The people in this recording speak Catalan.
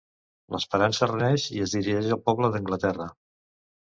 L'esperança reneix i es dirigeix al poble d'Anglaterra.